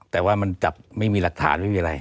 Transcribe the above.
แต่ว่ามันจับไม่มีหลักฐานไม่มีอะไร